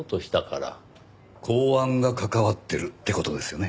公安が関わってるって事ですよね。